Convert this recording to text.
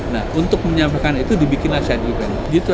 nah untuk menyampaikan itu dibikinlah side event gitu